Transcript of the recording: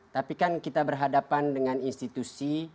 tapi kan kita berhadapan dengan institusi